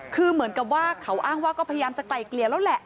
คือเหมือนกับว่าเขาอ้างว่าก็พยายามจะไกลเกลี่ยแล้วแหละ